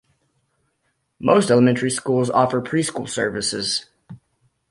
Most elementary schoold offer preschool services.